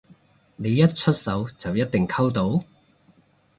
你一出手就一定溝到？